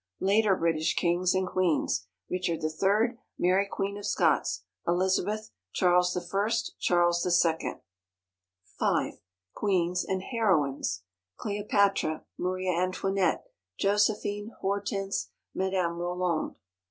Later British Kings and Queens. RICHARD III. MARY QUEEN OF SCOTS. ELIZABETH. CHARLES I. CHARLES II. V. Queens and Heroines. CLEOPATRA. MARIA ANTOINETTE. JOSEPHINE. HORTENSE. MADAME ROLAND.